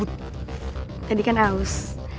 tadi kan awus